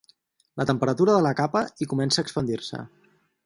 La temperatura de la capa i comença a expandir-se.